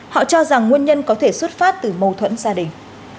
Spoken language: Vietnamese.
họ cho rằng nguyên nhân có thể xuất phát từ mâu thuẫn gia đình